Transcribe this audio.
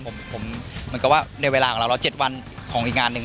ผมเหมือนกับว่าในเวลาของเราแล้ว๗วันของอีกงานหนึ่ง